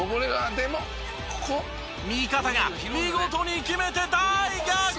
でもここ」味方が見事に決めて大逆転！